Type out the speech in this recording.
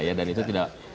ya dan itu tidak